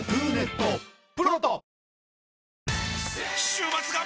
週末が！！